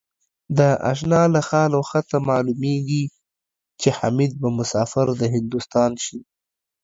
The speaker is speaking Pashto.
د آشناله خال و خطه معلومېږي ـ چې حمیدبه مسافر دهندوستان شي